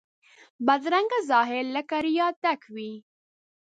بدرنګه ظاهر له ریا ډک وي